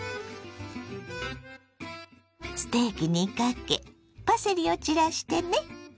ステーキにかけパセリを散らしてね。